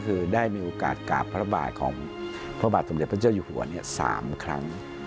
คือได้มีโอกาสกราบพระบาทของพระบาทสมเด็จพระเจ้าอยู่หัว๓ครั้ง